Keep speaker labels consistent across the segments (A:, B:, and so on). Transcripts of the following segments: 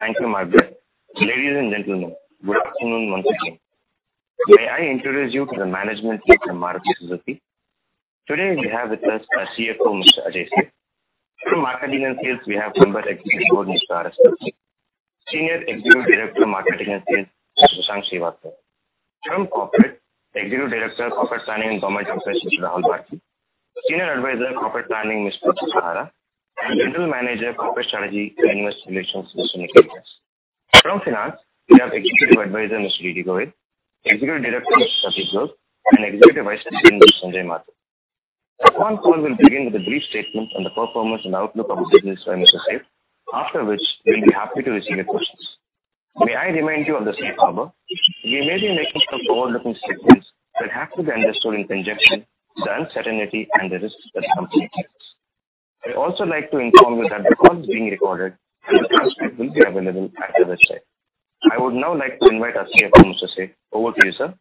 A: Thank you, Maruti. Ladies and gentlemen, good afternoon once again. May I introduce you to the management team from Maruti Suzuki? Today we have with us our CFO, Mr. Ajay Seth. From Marketing and Sales, we have Member Executive Board, Mr. R.S. Kalsi. Senior Executive Director, Marketing and Sales, Shashank Srivastava. From Corporate, Executive Director, Corporate Planning and Government Office, Mr. Rahul Bharti. Senior Advisor, Corporate Planning, Ms. Priti Sahara. And General Manager, Corporate Strategy, Investor Relations, Mr. Nikhil Vyas. From Finance, we have Executive Advisor, Mr. Riti Govind. Executive Director, Mr. Sathig Gose. And Executive Vice President, Mr. Sanjay Matta. This phone call will begin with a brief statement on the performance and outlook of the business for Mr. Seth, after which we will be happy to receive your questions. May I remind you of the Safe Harbor? We may be making some forward-looking statements that have to be understood in conjunction with the uncertainty and the risks that the company faces. I would also like to inform you that the call is being recorded and the transcript will be available at the website. I would now like to invite our CFO, Mr. Seth. Over to you, sir.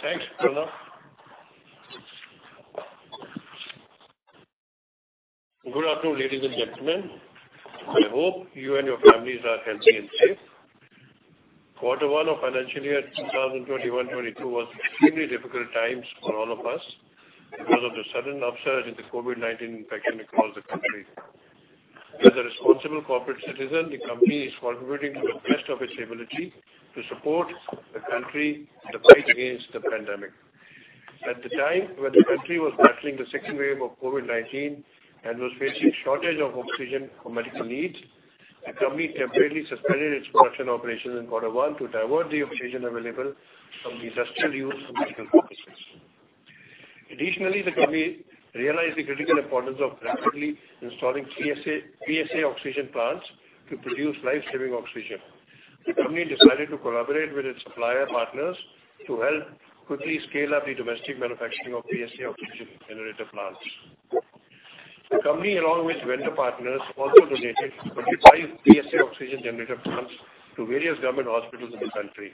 B: Thank you, brother. Good afternoon, ladies and gentlemen. I hope you and your families are healthy and safe. Quarter one of financial year 2021-2022 was extremely difficult times for all of us because of the sudden upsurge in the COVID-19 infection across the country. As a responsible corporate citizen, the company is contributing to the best of its ability to support the country in the fight against the pandemic. At the time when the country was battling the second wave of COVID-19 and was facing a shortage of oxygen for medical needs, the company temporarily suspended its production operations in quarter one to divert the oxygen available from the industrial use for medical purposes. Additionally, the company realized the critical importance of rapidly installing PSA oxygen plants to produce lifesaving oxygen. The company decided to collaborate with its supplier partners to help quickly scale up the domestic manufacturing of PSA oxygen generator plants. The company, along with vendor partners, also donated 25 PSA oxygen generator plants to various government hospitals in the country.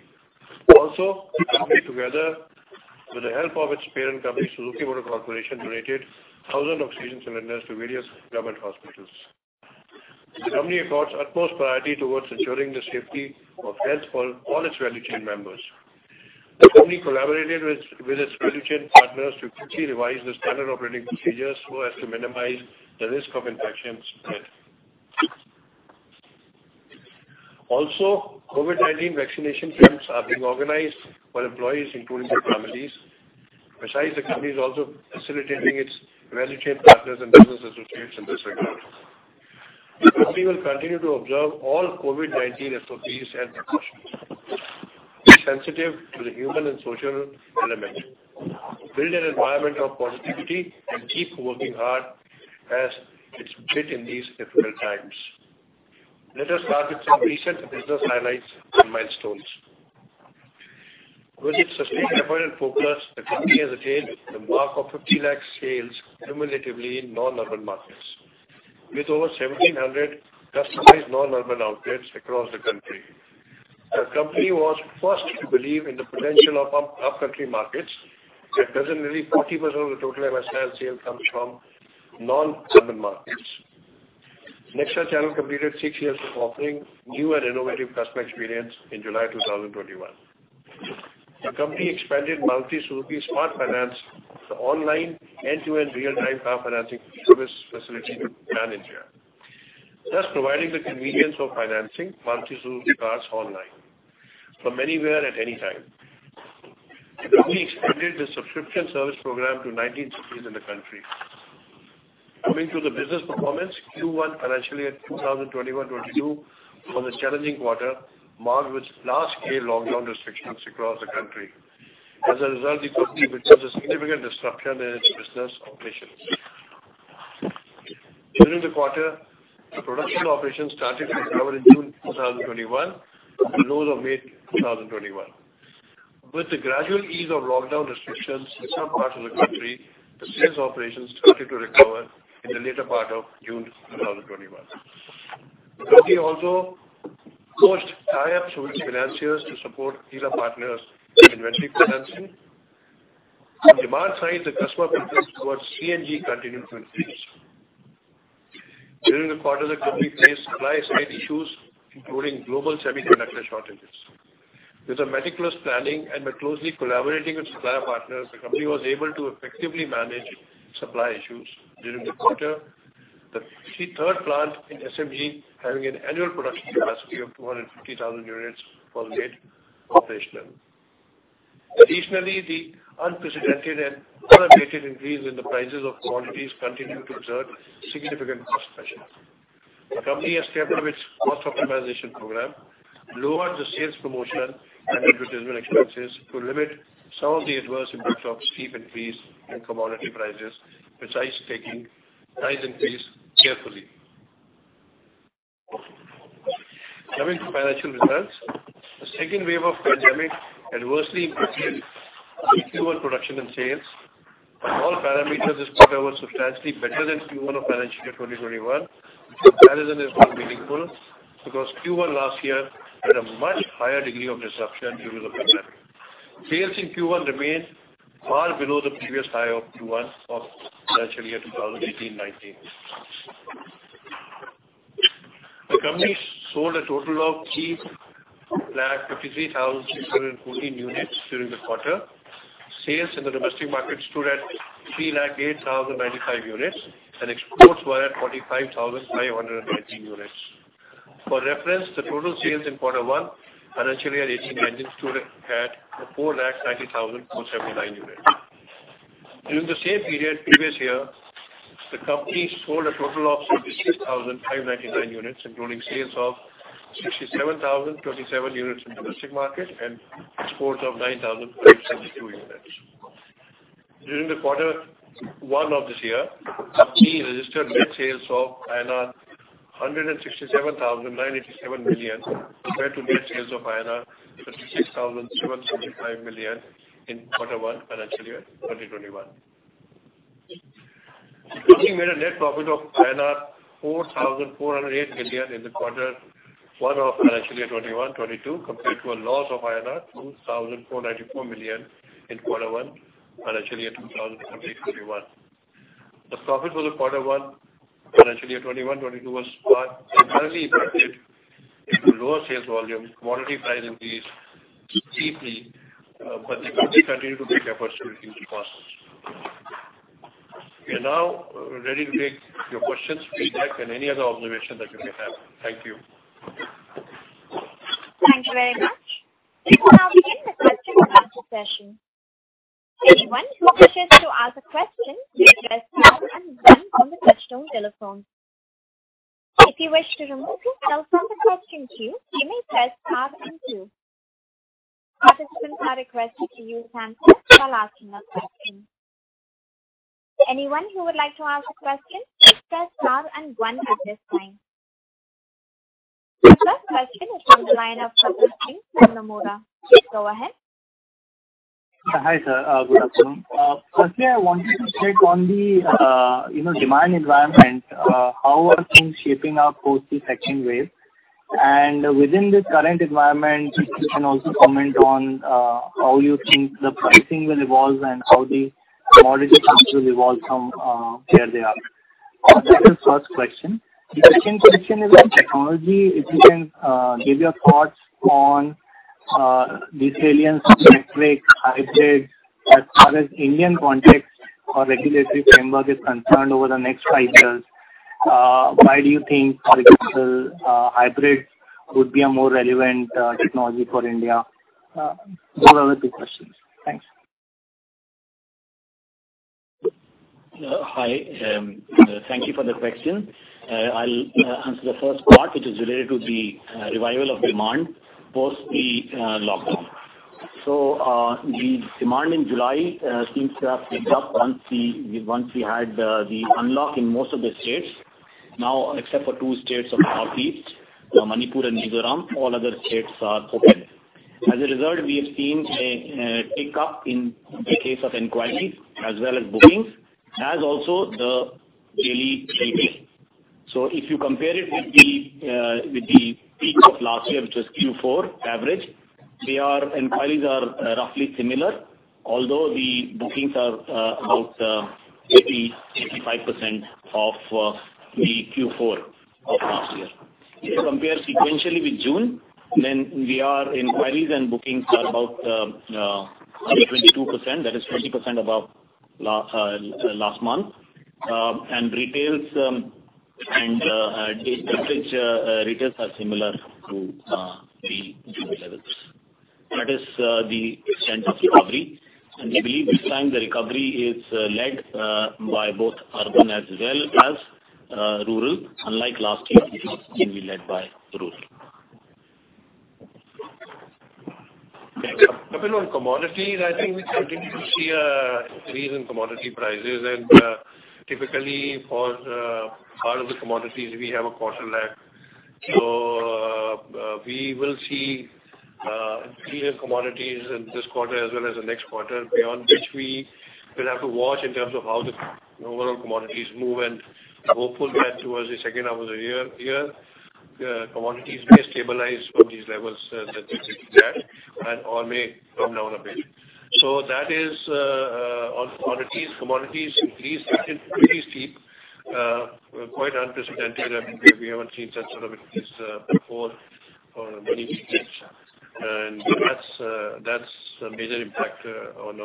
B: Also, the company, together with the help of its parent company, Suzuki Motor Corporation, donated 1,000 oxygen cylinders to various government hospitals. The company accords utmost priority towards ensuring the safety of health for all its value chain members. The company collaborated with its value chain partners to quickly revise the standard operating procedures so as to minimize the risk of infection spread. Also, COVID-19 vaccination camps are being organized for employees, including their families. Besides, the company is also facilitating its value chain partners and business associates in this regard. The company will continue to observe all COVID-19 SOPs and precautions. Be sensitive to the human and social element. Build an environment of positivity and keep working hard as it's fit in these difficult times. Let us start with some recent business highlights and milestones. With its sustainable and focus, the company has attained the mark of 5 million sales cumulatively in non-urban markets, with over 1,700 customized non-urban outlets across the country. The company was first to believe in the potential of up-country markets, and presently, 40% of the total Maruti Suzuki India Limited sales come from non-urban markets. Nexa Channel completed six years of offering new and innovative customer experience in July 2021. The company expanded Maruti Suzuki Smart Finance, the online end-to-end real-time car financing service facility in India, thus providing the convenience of financing Maruti Suzuki cars online from anywhere at any time. The company expanded the subscription service program to 1,950 in the country. Coming to the business performance, Q1 financial year 2021-2022 was a challenging quarter, marked with large-scale lockdown restrictions across the country. As a result, the company witnessed a significant disruption in its business operations. During the quarter, the production operations started to recover in June 2021, close of May 2021. With the gradual ease of lockdown restrictions in some parts of the country, the sales operations started to recover in the later part of June 2021. The company also forged tie-ups with financiers to support dealer partners in inventory financing. On demand side, the customer purchase towards CNG continued to increase. During the quarter, the company faced supply-side issues, including global semiconductor shortages. With a meticulous planning and by closely collaborating with supplier partners, the company was able to effectively manage supply issues. During the quarter, the third plant in SMG, having an annual production capacity of 250,000 units, was made operational. Additionally, the unprecedented and uneventful increase in the prices of commodities continued to exert significant cost pressure. The company has tampered with its cost optimization program, lowered the sales promotion and advertisement expenses to limit some of the adverse impacts of steep increase in commodity prices, besides taking price increase carefully. Coming to financial results, the second wave of pandemic adversely impacted Q1 production and sales. On all parameters, this quarter was substantially better than Q1 of financial year 2021, which comparison is not meaningful because Q1 last year had a much higher degree of disruption due to the pandemic. Sales in Q1 remained far below the previous high of Q1 of financial year 2018-2019. The company sold a total of 353,614 units during the quarter. Sales in the domestic market stood at 308,095 units, and exports were at 45,519 units. For reference, the total sales in quarter one financial year 2018-2019 stood at 490,479 units. During the same period previous year, the company sold a total of 76,599 units, including sales of 67,027 units in the domestic market and exports of 9,572 units. During the quarter one of this year, the company registered net sales of 167,987 million compared to net sales of 36,775 million in quarter one financial year 2021. The company made a net profit of INR 4,408 million in the quarter one of financial year 2021-2022 compared to a loss of INR 2,494 million in quarter one financial year 2020-2021. The profit for the quarter one financial year 2021-2022 was comparably impacted due to lower sales volume, commodity price increase steeply, but the company continued to make efforts to reduce costs. We are now ready to take your questions, feedback, and any other observations that you may have. Thank you.
A: Thank you very much. We will now begin the question-and-answer session. Anyone who wishes to ask a question may press star and one on the touchtone telephone. If you wish to remove yourself from the question queue, you may press star and two. Participants are requested to use hand signs while asking a question. Anyone who would like to ask a question may press star and one at this time. The first question is from the line of Kapil Singh, from Nomura. Please go ahead.
C: Hi, sir. Good afternoon. Firstly, I wanted to check on the demand environment. How are things shaping up post the second wave? Within the current environment, if you can also comment on how you think the pricing will evolve and how the commodity prices will evolve from where they are. That's the first question. The second question is on technology. If you can give your thoughts on these salience metrics, hybrids, as far as Indian context or regulatory framework is concerned over the next five years. Why do you think, for example, hybrids would be a more relevant technology for India? Those are the two questions. Thanks.
D: Hi. Thank you for the question. I'll answer the first part, which is related to the revival of demand post the lockdown. The demand in July seems to have picked up once we had the unlock in most of the states. Now, except for two states of the Northeast, Manipur and Mizoram, all other states are open. As a result, we have seen a pickup in the case of enquiries as well as bookings, as also the daily retail. If you compare it with the peak of last year, which was Q4 average, the enquiries are roughly similar, although the bookings are about 80%-85% of the Q4 of last year. If you compare sequentially with June, the enquiries and bookings are about 22%. That is 20% above last month. Retails and village retails are similar to the levels. That is the extent of recovery. We believe this time the recovery is led by both urban as well as rural. Unlike last year, it has been led by rural.
B: Depending on commodities, I think we continue to see increase in commodity prices. Typically, for a lot of the commodities, we have a quarter lag. We will see increase in commodities in this quarter as well as the next quarter, beyond which we will have to watch in terms of how the overall commodities move. Hopefully, towards the second half of the year, commodities may stabilize from these levels that we've seen and/or may come down a bit. That is on commodities. Commodities increased pretty steep, quite unprecedented. We haven't seen such sort of increase before for many years. That's a major impact on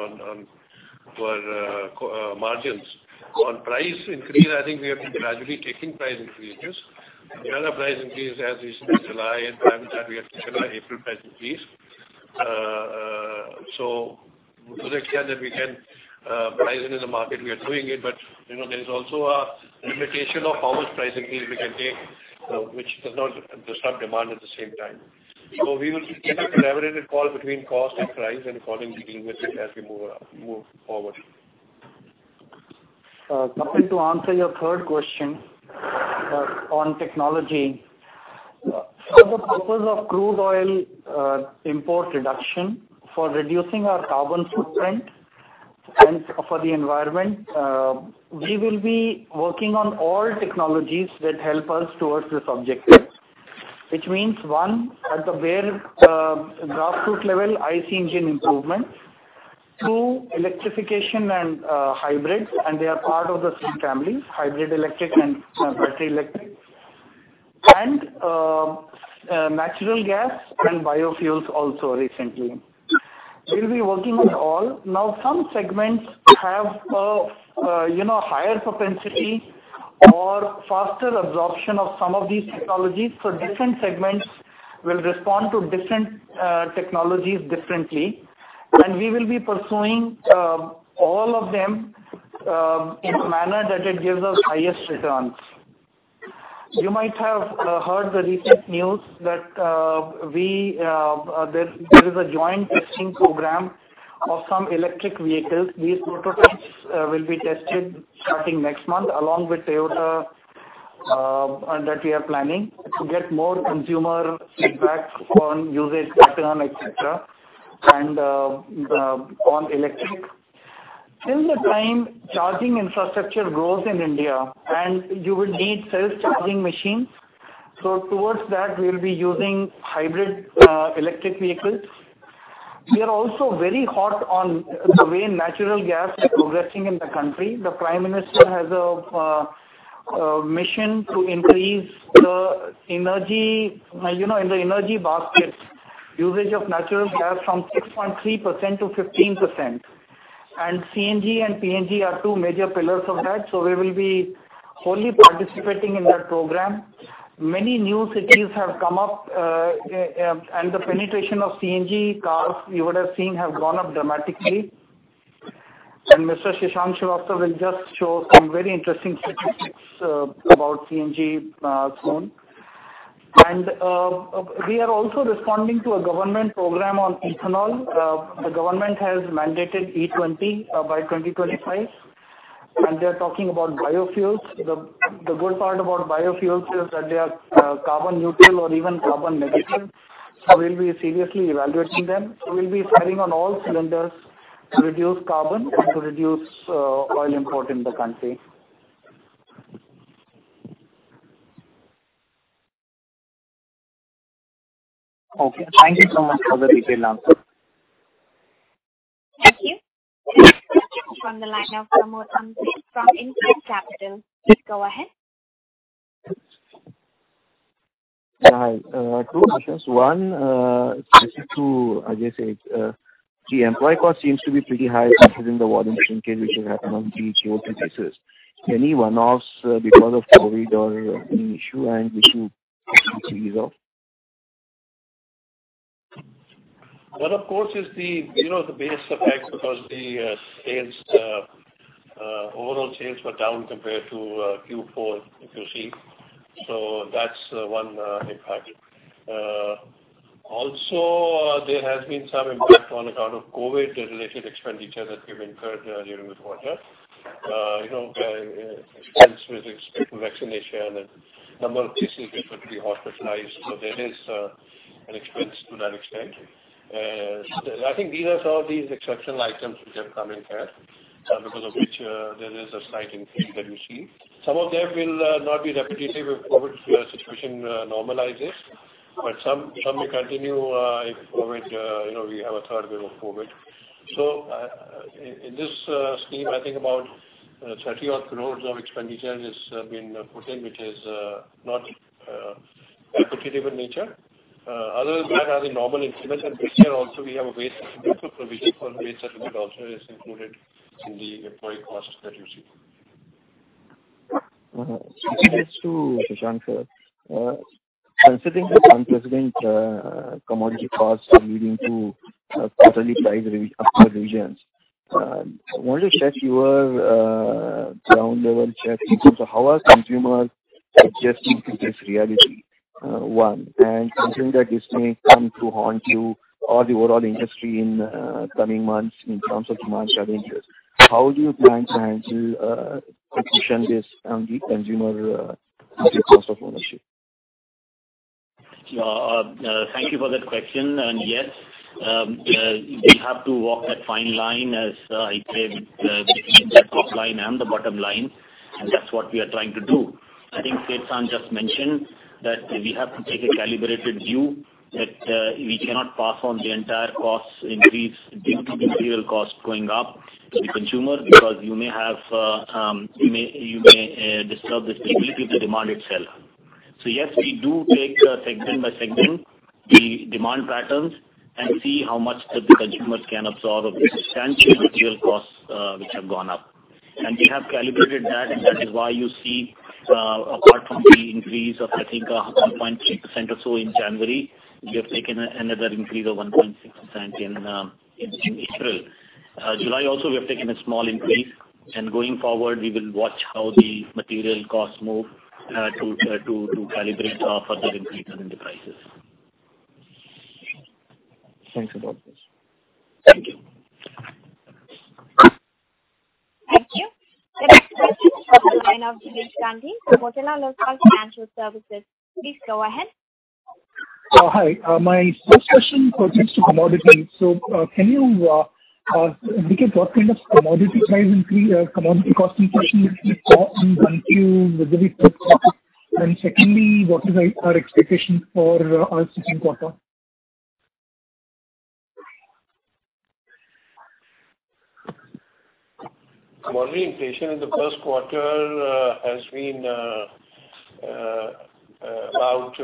B: our margins. On price increase, I think we have been gradually taking price increases. We had a price increase as recently as July. In time with that, we had the July-April price increase. To the extent that we can price it in the market, we are doing it. There is also a limitation of how much price increase we can take, which does not disrupt demand at the same time. We will keep it a collaborative call between cost and price and call and deal with it as we move forward.
D: Coming to answer your third question on technology. For the purpose of crude oil import reduction, for reducing our carbon footprint and for the environment, we will be working on all technologies that help us towards this objective, which means, one, at the bare grassroots level, IC engine improvements, two, electrification and hybrids, and they are part of the same family, hybrid electric and battery electric, and natural gas and biofuels also recently. We will be working on all. Now, some segments have a higher propensity or faster absorption of some of these technologies, so different segments will respond to different technologies differently. We will be pursuing all of them in a manner that it gives us highest returns. You might have heard the recent news that there is a joint testing program of some electric vehicles. These prototypes will be tested starting next month, along with Toyota, that we are planning to get more consumer feedback on usage pattern, etc., and on electric. In the time, charging infrastructure grows in India, and you will need self-charging machines. Towards that, we'll be using hybrid electric vehicles. We are also very hot on the way natural gas is progressing in the country. The Prime Minister has a mission to increase the energy in the energy basket usage of natural gas from 6.3% to 15%. CNG and PNG are two major pillars of that, so we will be fully participating in that program. Many new cities have come up, and the penetration of CNG cars you would have seen have gone up dramatically. Mr. Shashank Srivastava will just show some very interesting statistics about CNG soon. We are also responding to a government program on ethanol. The government has mandated E20 by 2025, and they are talking about biofuels. The good part about biofuels is that they are carbon neutral or even carbon negative, so we'll be seriously evaluating them. We'll be spending on all cylinders to reduce carbon and to reduce oil import in the country.
C: Okay. Thank you so much for the detailed answer.
A: Thank you. From the line of Pramod, from InCred Capital, please go ahead. Hi. Two questions. One, specific to, as I said, the employee cost seems to be pretty high considering the war in the same case, which is happening on the Q1 basis. Any one-offs because of COVID or any issue and issue to ease off?
B: Of course, it's the biggest effect because the sales, overall sales were down compared to Q4, if you see. That is one impact. Also, there has been some impact on the kind of COVID-related expenditure that we've incurred during this quarter. Expense with vaccination and a number of cases referred to be hospitalized. There is an expense to that extent. I think these are some of these exceptional items which have come in here because of which there is a slight increase that we see. Some of them will not be repetitive if the COVID situation normalizes, but some may continue if we have a third wave of COVID. In this scheme, I think about 30 crore of expenditure has been put in, which is not repetitive in nature. Other than that, are the normal increments. This year, also, we have a wage settlement provision for wage settlement attributable also is included in the employee cost that you see.
E: Excuse me to Shashank Srivastava. Considering the unprecedented commodity costs leading to quarterly price upsurge regions, I wanted to check your ground-level check. How are consumers adjusting to this reality? One, and considering that this may come to haunt you or the overall industry in coming months in terms of demand challenges, how do you plan to handle a decision based on the consumer cost of ownership?
D: Thank you for that question. Yes, we have to walk that fine line, as I said, between the top line and the bottom line. That is what we are trying to do. I think Seth just mentioned that we have to take a calibrated view that we cannot pass on the entire cost increase due to the material cost going up to the consumer because you may disturb the stability of the demand itself. Yes, we do take segment by segment the demand patterns and see how much the consumers can absorb of substantial material costs which have gone up. We have calibrated that. That is why you see, apart from the increase of, I think, 1.3% or so in January, we have taken another increase of 1.6% in April. July also, we have taken a small increase. Going forward, we will watch how the material costs move to calibrate for the increase in the prices. Thanks a lot. Thank you.
A: Thank you. The next question is from the line of Jinesh Gandhi, Motilal Oswal Financial Services. Please go ahead.
E: Hi. My first question pertains to commodity. Can you indicate what kind of commodity price increase or commodity cost inflation we saw in Q1? Secondly, what are our expectations for our second quarter?
B: Commodity inflation in the first quarter has been about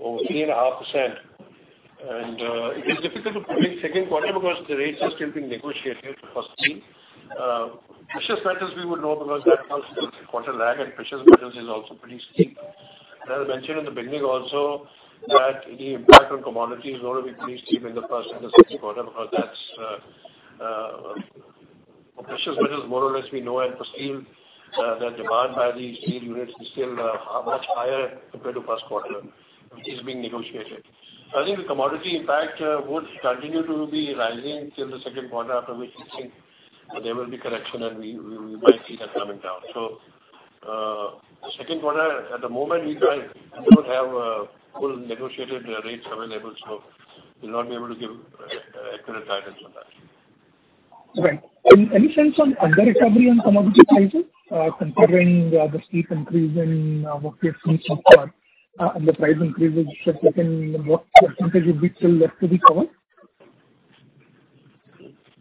B: over 3.5%. It is difficult to predict second quarter because the rates are still being negotiated for seeing. Precious metals, we would know because that comes from the quarter lag, and precious metals is also pretty steep. As I mentioned in the beginning also that the impact on commodities is going to be pretty steep in the first and the second quarter because that's for precious metals, more or less, we know and for steel, the demand by the steel units is still much higher compared to first quarter, which is being negotiated. I think the commodity impact would continue to be rising till the second quarter, after which we think there will be correction, and we might see that coming down. Second quarter, at the moment, we don't have full negotiated rates available, so we'll not be able to give accurate guidance on that.
E: Okay. Any sense on under-recovery on commodity prices considering the steep increase in what we have seen so far? The price increases, should taken what percentage would be still left to be covered?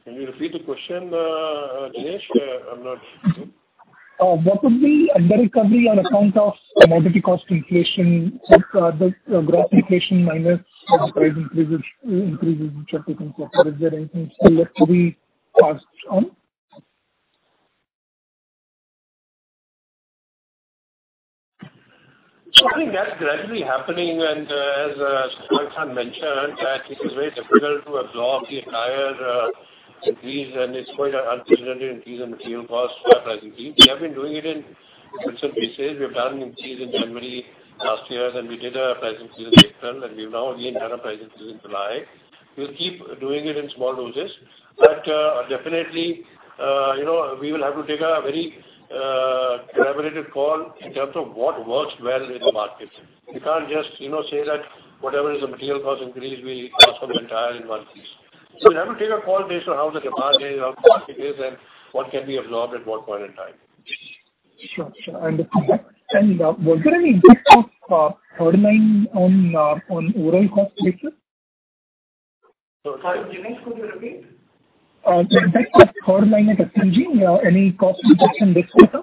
B: Can you repeat the question, Jinesh? I'm not sure. What would be under-recovery on account of commodity cost inflation? The gross inflation minus the price increases which have taken so far, is there anything still left to be passed on? I think that's gradually happening. As Shashank mentioned, it is very difficult to absorb the entire increase, and it's quite an unprecedented increase in material costs for our price increase. We have been doing it in some cases. We have done an increase in January last year, then we did a price increase in April, and we've now again done a price increase in July. We'll keep doing it in small doses. Definitely, we will have to take a very collaborative call in terms of what works well in the market. We can't just say that whatever is the material cost increase, we pass on the entire in one case. We'll have to take a call based on how the demand is, how the price is, and what can be absorbed at what point in time.
E: Sure. Sure. I understand that. Was there any big cost third line on oil cost basis?
B: Sorry, Dinesh, could you repeat?
E: Big cost third line at SMG? Any cost reduction this quarter?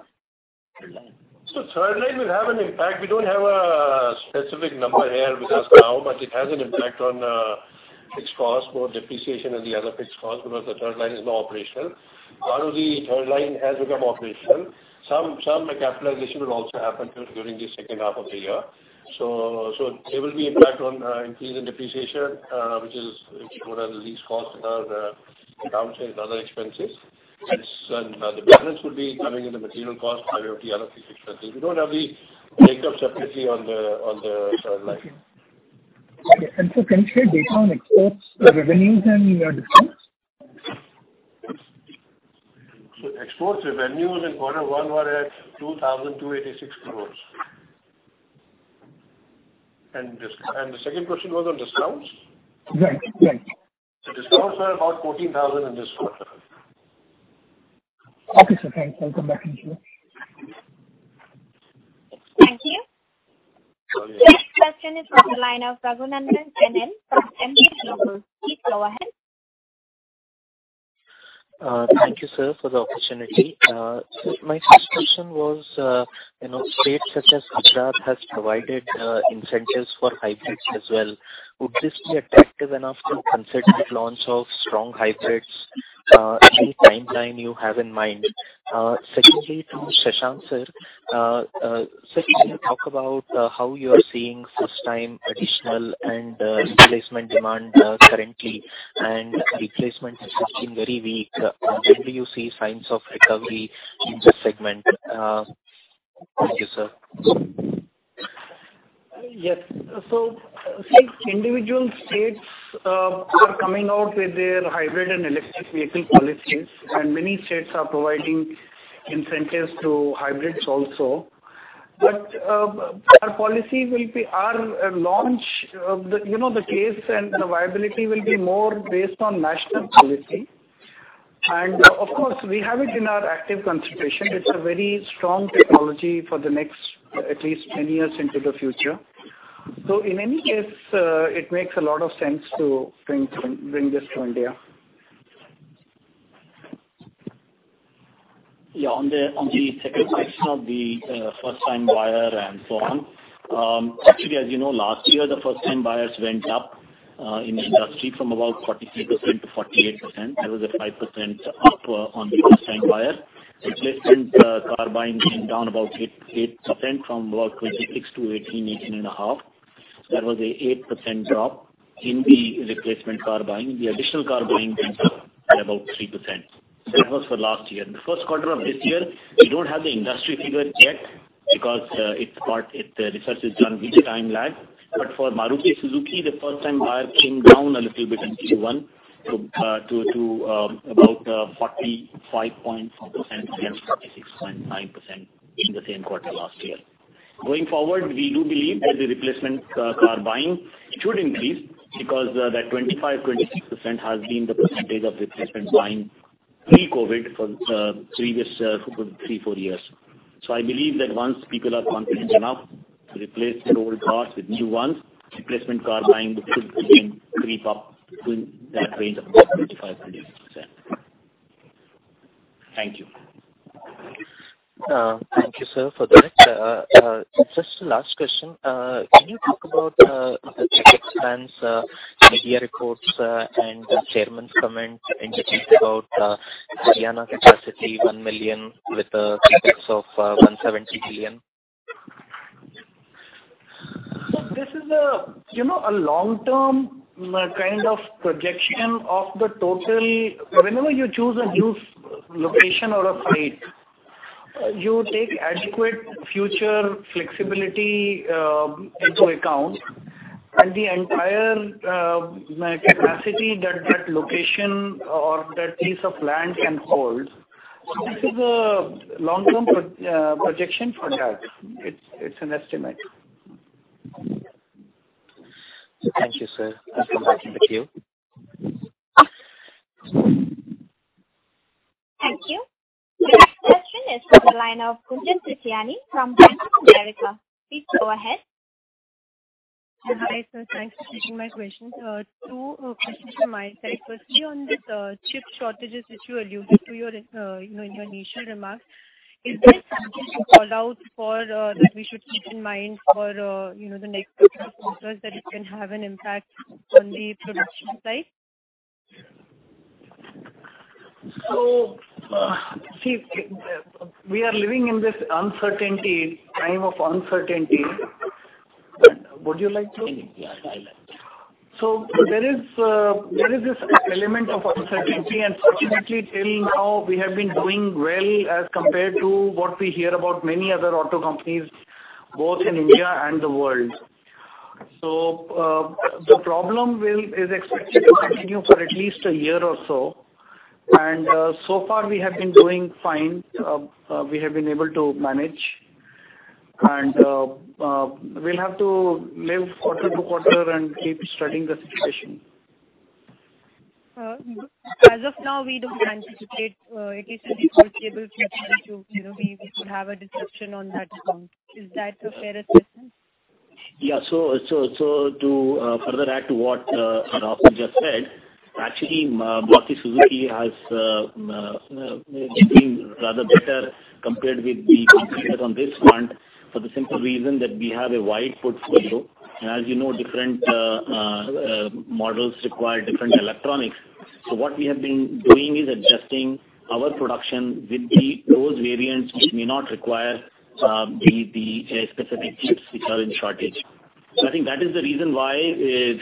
B: The third line will have an impact. We do not have a specific number here with us now, but it has an impact on fixed costs for depreciation and the other fixed costs because the third line is now operational. Part of the third line has become operational. Some capitalization will also happen during the second half of the year. There will be impact on increase in depreciation, which is what are the least cost. Are downsized, other expenses. The balance would be coming in the material cost, primarily the other fixed expenses. We do not have the breakup separately on the third line.
E: Okay. Can you share data on exports, revenues, and discounts?
B: Exports revenues in quarter one were at 2,286 crore. The second question was on discounts?
E: Right. Right.
B: Discounts were about 14,000 in this quarter.
E: Okay. Thanks. I'll come back in here.
A: Thank you. Next question is from the line of Raghunandan N.L. from Emkay Global. Please go ahead. Thank you, sir, for the opportunity. My first question was, states such as Gujarat have provided incentives for hybrids as well. Would this be attractive enough to consider launch of strong hybrids? Any timeline you have in mind? Secondly, to Shashank Sir, since you talk about how you are seeing first-time, additional, and replacement demand currently, and replacement has been very weak, when do you see signs of recovery in this segment? Thank you, sir.
D: Yes. See, individual states are coming out with their hybrid and electric vehicle policies, and many states are providing incentives to hybrids also. Our policy will be our launch, the case and the viability will be more based on national policy. Of course, we have it in our active consideration. It is a very strong technology for the next at least 10 years into the future. In any case, it makes a lot of sense to bring this to India.
B: Yeah. On the second section of the first-time buyer and so on, actually, as you know, last year, the first-time buyers went up in the industry from about 43%-48%. There was a 5% up on the first-time buyer. Replacement car buying came down about 8% from about 26%-18%, 18.5%. There was an 8% drop in the replacement car buying. The additional car buying went up by about 3%. That was for last year. The first quarter of this year, we do not have the industry figure yet because the research is done with time lag. But for Maruti Suzuki, the first-time buyer came down a little bit in Q1 to about 45.4% against 46.9% in the same quarter last year. Going forward, we do believe that the replacement car buying should increase because that 25%-26% has been the percentage of replacement buying pre-COVID for the previous three-four years. I believe that once people are confident enough to replace the old parts with new ones, replacement car buying should creep up to that range of about 25%-26%. Thank you. Thank you, sir, for that. Just the last question. Can you talk about the expense, media reports, and the chairman's comment in detail about the Haryana capacity, 1 million with a CapEx of 170 million?
F: This is a long-term kind of projection of the total. Whenever you choose a new location or a site, you take adequate future flexibility into account and the entire capacity that that location or that piece of land can hold. This is a long-term projection for that. It's an estimate. Thank you, sir. I'll come back in the queue.
A: Thank you. The next question is from the line of Gunjan Prithyani from Bank of America. Please go ahead.
G: Hi, sir. Thanks for taking my question. Two questions for myself. Firstly, on the chip shortages, which you alluded to in your initial remarks, is there something to call out that we should keep in mind for the next couple of quarters that it can have an impact on the production side?
F: See, we are living in this time of uncertainty. Would you like to? Yes. I like to. There is this element of uncertainty. Fortunately, till now, we have been doing well as compared to what we hear about many other auto companies, both in India and the world. The problem is expected to continue for at least a year or so. So far, we have been doing fine. We have been able to manage. We will have to live quarter to quarter and keep studying the situation.
G: As of now, we don't anticipate at least in the foreseeable future to have a disruption on that front. Is that a fair assessment?
B: Yeah. To further add to what Raghav just said, actually, Maruti Suzuki has been rather better compared with the competitors on this front for the simple reason that we have a wide portfolio. And as you know, different models require different electronics. What we have been doing is adjusting our production with those variants which may not require the specific chips which are in shortage. I think that is the reason why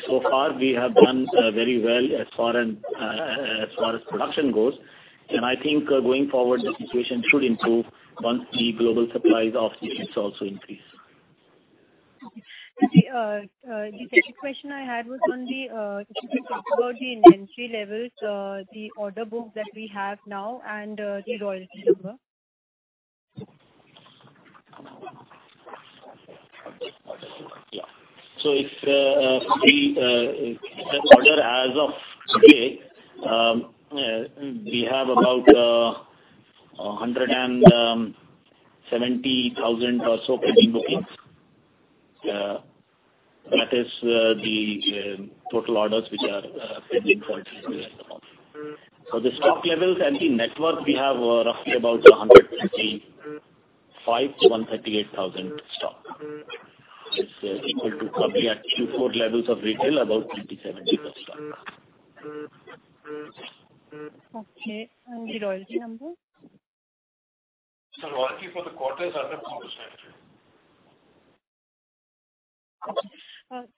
B: so far we have done very well as far as production goes. I think going forward, the situation should improve once the global supplies of the chips also increase.
A: Okay. The second question I had was on the if you can talk about the inventory levels, the order book that we have now, and the royalty number.
B: Yeah. If we order as of today, we have about 170,000 or so pending bookings. That is the total orders which are pending for today at the moment. The stock levels and the net worth, we have roughly about 135,000 stock-138,000 stock. It is equal to probably at Q4 levels of retail, about 27% stock.
A: Okay. The royalty number?
B: The royalty for the quarter is under 2%.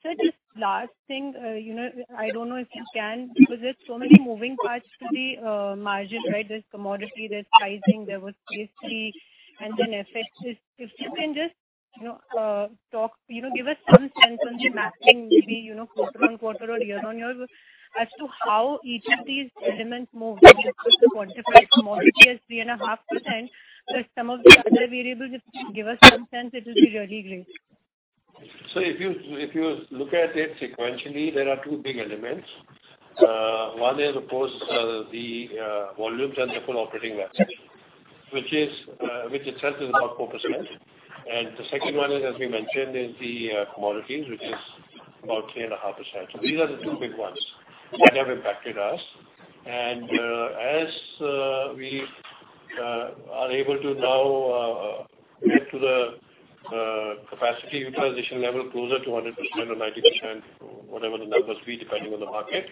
G: Sir, just last thing. I do not know if you can because there are so many moving parts to the margin, right? There is commodity, there is pricing, there was S3, and then FX. If you can just talk, give us some sense on the mapping, maybe quarter on quarter or year on year, as to how each of these elements move. We can quantify commodity as 3.5%. But some of the other variables, if you can give us some sense, it will be really great.
B: If you look at it sequentially, there are two big elements. One is, of course, the volumes and the full operating value, which itself is about 4%. The second one is, as we mentioned, the commodities, which is about 3.5%. These are the two big ones that have impacted us. As we are able to now get to the capacity utilization level closer to 100% or 90%, whatever the numbers be depending on the market,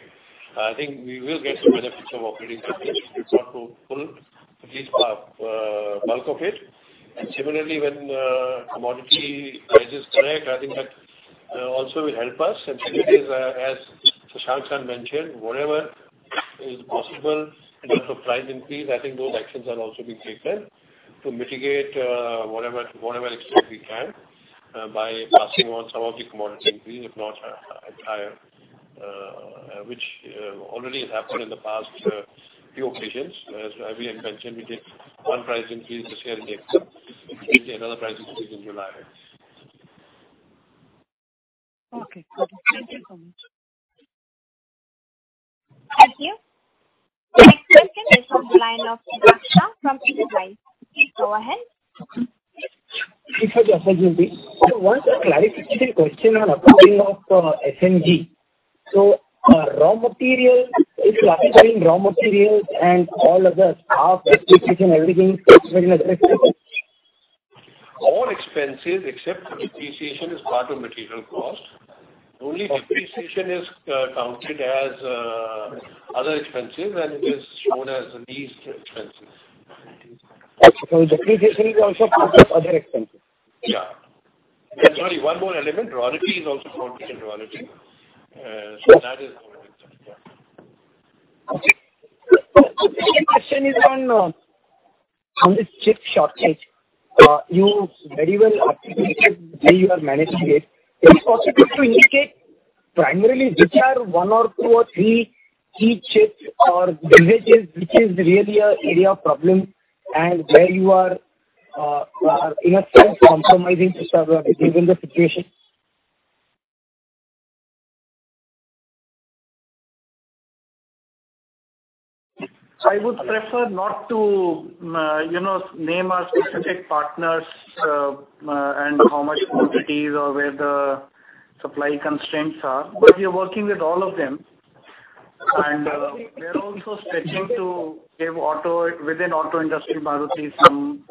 B: I think we will get the benefits of operating value. We've got to pull at least bulk of it. Similarly, when commodity prices correct, I think that also will help us. Similarly, as Shashank mentioned, whatever is possible in terms of price increase, I think those actions are also being taken to mitigate whatever extent we can by passing on some of the commodity increase, if not higher, which already has happened in the past few occasions. As I mentioned, we did one price increase this year in April. We did another price increase in July.
A: Okay. Thank you so much. Thank you. Next question is from the line of Raghav Garg from CLSA. Please go ahead. Sir, just one clarification question on the pricing of SMG. So raw materials, if you are considering raw materials and all others, half depreciation, everything is considered in the depreciation?
B: All expenses except depreciation is part of material cost. Only depreciation is counted as other expenses, and it is shown as lease expenses. Depreciation is also part of other expenses? Yeah. Sorry, one more element. Royalty is also counted in royalty. That is covered in that. Yeah. Okay. The second question is on this chip shortage. You very well articulated the way you are managing it. Is it possible to indicate primarily which are one or two or three key chips or variants which is really an area of problem and where you are, in a sense, compromising to serve in the situation?
D: I would prefer not to name our specific partners and how much commodities or where the supply constraints are. We are working with all of them. We are also stretching to give auto within auto industry, Maruti, some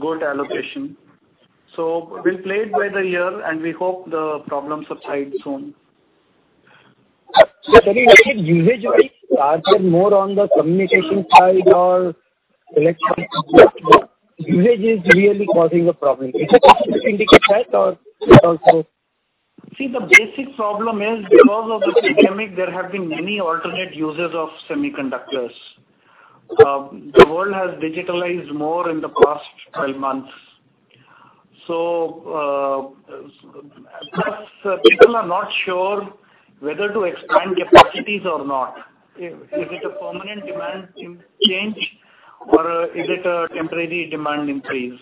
D: good allocation. We will play it by the year, and we hope the problems subside soon. Any usage-wise, are there more on the communication side or electronic? Usage is really causing the problem. Is it just indicated, or also? See, the basic problem is because of the pandemic, there have been many alternate uses of semiconductors. The world has digitalized more in the past 12 months. People are not sure whether to expand capacities or not. Is it a permanent demand change or is it a temporary demand increase?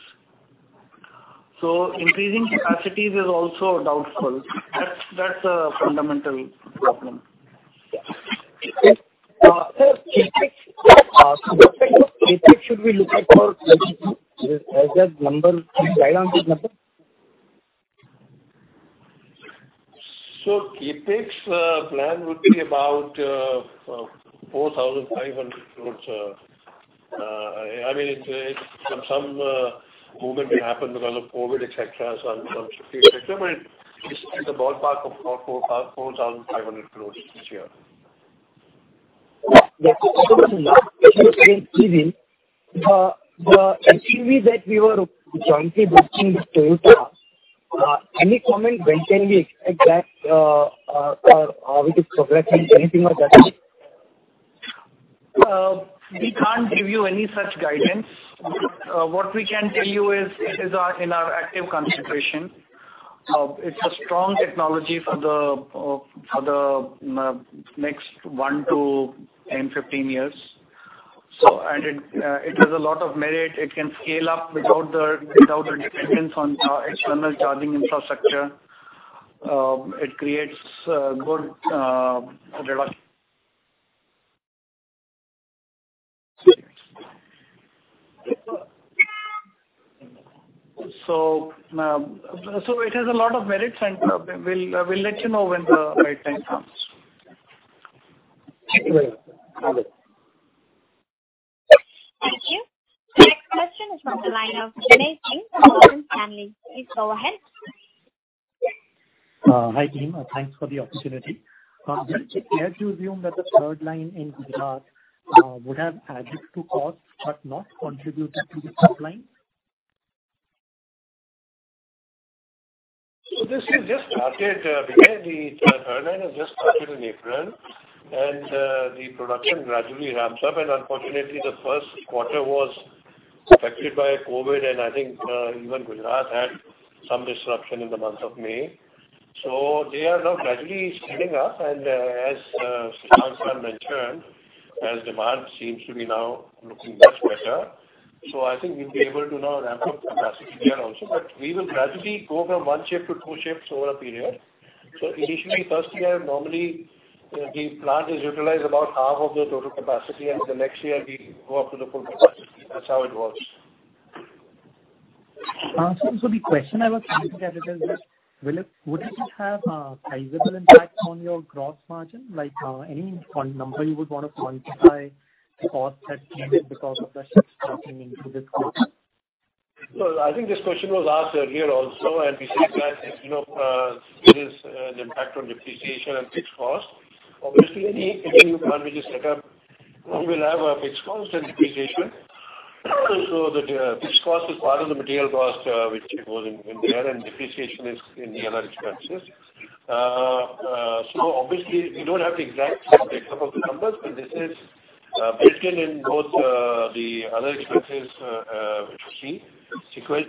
D: Increasing capacities is also doubtful. That is a fundamental problem. CapEx, should we look at for ASEAN's number? Any guidance on the number?
B: CapEx plan would be about 4,500 crore. I mean, some movement will happen because of COVID, etc., some shifting, etc. But it's in the ballpark of 4,500 crore this year.
D: Yeah. I think it's a lot to keep in even for the SUV that we were jointly booking with Toyota. Any comment when can we expect that or how it is progressing? Anything on that? We can't give you any such guidance. What we can tell you is it is in our active consideration. It's a strong technology for the next 1 year-10 years, 15 years. It has a lot of merit. It can scale up without the dependence on external charging infrastructure. It creates good. It has a lot of merits, and we'll let you know when the right time comes.
A: Thank you. The next question is from the line of Binay Singh from Morgan Stanley. Please go ahead.
H: Hi team. Thanks for the opportunity. Would it be fair to assume that the third line in Gujarat would have added to cost but not contributed to the top line?
B: This has just started. The third line has just started in April, and the production gradually ramps up. Unfortunately, the first quarter was affected by COVID, and I think even Gujarat had some disruption in the month of May. They are now gradually speeding up. As Shashank mentioned, as demand seems to be now looking much better, I think we'll be able to now ramp up capacity there also. We will gradually go from one chip to two chips over a period. Initially, first year, normally the plant is utilized about half of the total capacity, and the next year we go up to the full capacity. That's how it works.
H: The question I was trying to get is, would it have a sizeable impact on your gross margin? Any number you would want to quantify the cost that came because of the shift happening into this quarter?
B: I think this question was asked earlier also, and we said that it is an impact on depreciation and fixed cost. Obviously, any new plant which is set up will have a fixed cost and depreciation. The fixed cost is part of the material cost which goes in there, and depreciation is in the other expenses. We do not have the exact example of the numbers, but this is built in in both the other expenses which you see.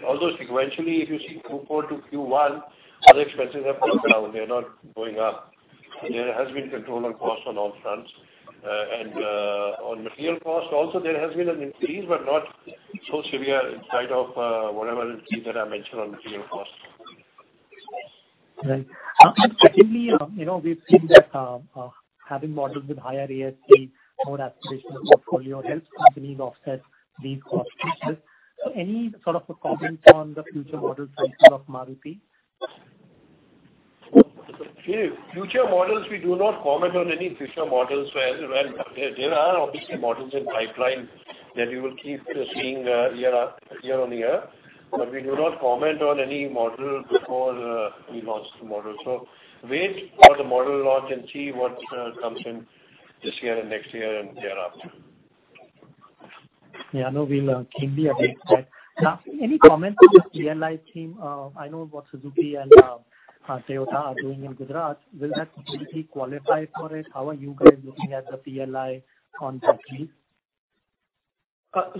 B: Although sequentially, if you see Q4-Q1, other expenses have come down. They are not going up. There has been control on cost on all fronts. On material cost, also there has been an increase, but not so severe in spite of whatever increase that I mentioned on material cost.
H: Right. Certainly, we've seen that having models with higher ASC or aspirational portfolio helps companies offset these costs. Any sort of comments on the future models of Maruti?
B: Future models, we do not comment on any future models. There are obviously models in pipeline that we will keep seeing year on year. We do not comment on any model before we launch the model. Wait for the model launch and see what comes in this year and next year and thereafter.
H: Yeah. No, we'll keep the updates there. Any comments on the PLI scheme? I know what Suzuki and Toyota are doing in Gujarat. Will that PLI qualify for it? How are you guys looking at the PLI on battery?